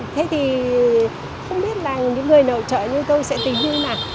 thế thì không biết là những người nội trợ như tôi sẽ tình hư mà